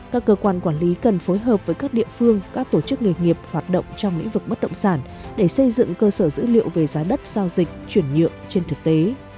các cơ quan quản lý cần phối hợp với các địa phương các tổ chức nghề nghiệp hoạt động trong lĩnh vực bất động sản để xây dựng cơ sở dữ liệu về giá đất giao dịch chuyển nhựa trên thực tế